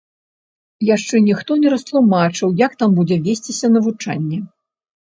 Яшчэ ніхто не растлумачыў, як там будзе весціся навучанне.